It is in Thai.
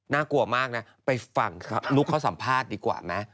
กลัวมากนะไปฟังนุ๊กเขาสัมภาษณ์ดีกว่าไหม